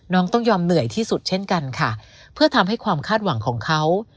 ต้องยอมเหนื่อยที่สุดเช่นกันค่ะเพื่อทำให้ความคาดหวังของเขา